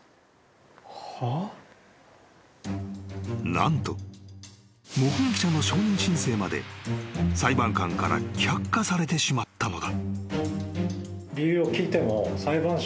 ［何と目撃者の証人申請まで裁判官から却下されてしまったのだ］